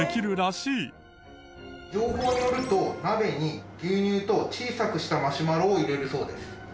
情報によると鍋に牛乳と小さくしたマシュマロを入れるそうです。